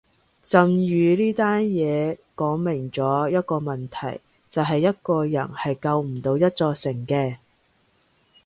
震宇呢單嘢講明咗一個問題就係一個人係救唔到一座城嘅